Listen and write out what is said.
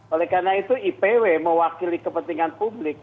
oleh karena itu ipw mewakili kepentingan publik